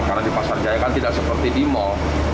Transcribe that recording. karena di pasar jaya kan tidak seperti di mal